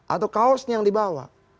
atau kaosnya yang dibawa